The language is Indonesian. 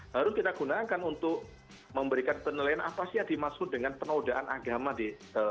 harus kita gunakan untuk memberikan penilaian apa sih yang dimaksud dengan penodaan agama di